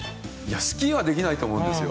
スキーはできないと思うんですよ。